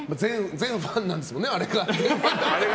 全ファンなんだもんね、あれが。